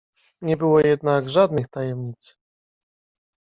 "Nie było jednak żadnych tajemnic."